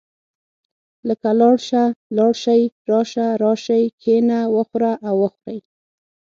لکه لاړ شه، لاړ شئ، راشه، راشئ، کښېنه، وخوره او وخورئ.